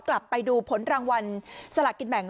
กลับไปดูผลรางวัลสลากกินแบ่ง